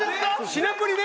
品プリで？